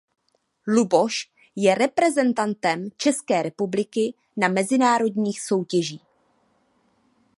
Luboš je reprezentantem České republiky na mezinárodních soutěží.